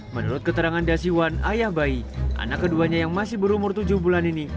menurut keterangan dasiwan ayah bayi anak keduanya yang masih berumur tujuh bulan ini